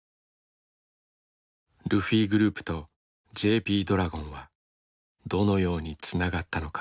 ルフィグループとＪＰドラゴンはどのようにつながったのか。